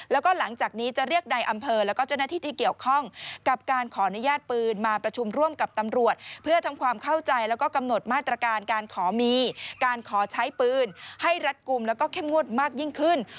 แล้วก็หลังจากนี้จะเรียกในอำเภอแล้วก็เจ้าหน้าที่ที่เกี่ยวข้อง